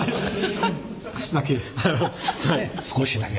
「少しだけ」